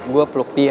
gue peluk dia